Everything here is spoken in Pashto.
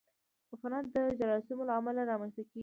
عفونت د جراثیمو له امله رامنځته کېږي.